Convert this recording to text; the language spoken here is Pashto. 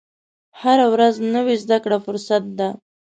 هره ورځ نوې زده کړه فرصت ده.